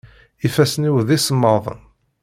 Ifassen-iw d isemmaḍen.